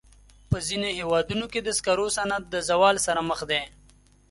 په ځینو هېوادونو کې د سکرو صنعت د زوال سره مخ دی.